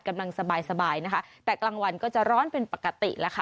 กำลังสบายสบายนะคะแต่กลางวันก็จะร้อนเป็นปกติแล้วค่ะ